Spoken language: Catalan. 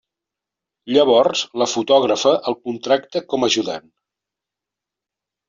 Llavors, la fotògrafa el contracta com a ajudant.